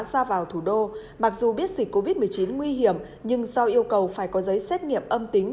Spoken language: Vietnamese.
ra vào thủ đô mặc dù biết dịch covid một mươi chín nguy hiểm nhưng do yêu cầu phải có giấy xét nghiệm âm tính